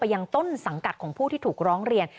ยังต้นสังกัดของผู้ที่ถูกร้องเรียน